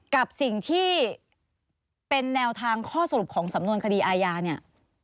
กับสิ่งที่เป็นแนวทางข้อสรุปของสำนวนคดีอาญาเนี่ย